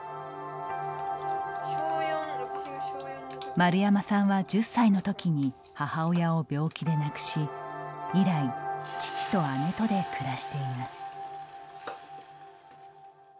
丸山さんは１０歳のときに母親を病気で亡くし以来、父と姉とで暮らしています。